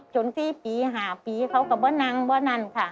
จนสี่ปีห้าปีเขาก็ไม่นั่งไม่นั่งค่ะ